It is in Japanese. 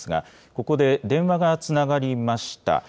ここで電話がつながりました。